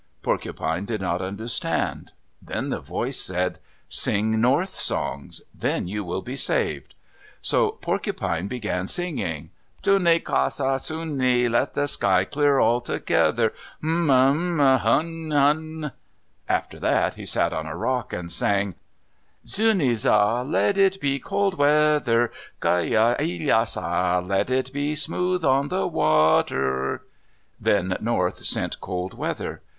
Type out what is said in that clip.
Porcupine did not understand. Then the Voice said, "Sing North songs. Then you will be saved." So Porcupine began singing, Xune qa sa zune, Let the sky clear altogether; Hu n, hu n, hun, hun. After that he sat on a rock and sang, Xunisa, Let it be cold weather; Gai ya li sa, Let it be smooth on the water. Then North sent cold weather.